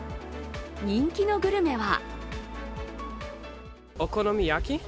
人気のグルメは？